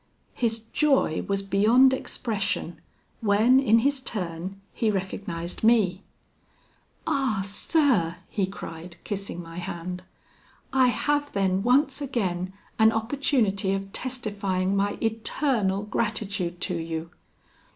His joy was beyond expression when, in his turn, he recognised me. "Ah, sir!" he cried, kissing my hand, "I have then once again an opportunity of testifying my eternal gratitude to you!"